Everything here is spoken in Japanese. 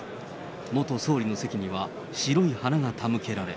元総理の席には白い花が手向けられ。